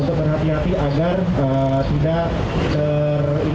untuk berhati hati agar tidak terjadi penipuan yang dilakukan oleh masyarakat indonesia